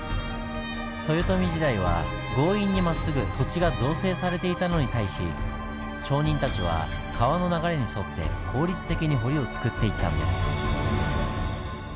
豊臣時代は強引にまっすぐ土地が造成されていたのに対し町人たちは川の流れに沿って効率的に堀をつくっていったんです。